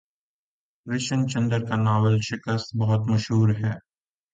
کرشن چندر کا ناول شکست بہت مشہور ہے